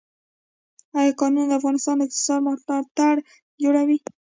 آیا کانونه د افغانستان د اقتصاد ملا تیر جوړوي؟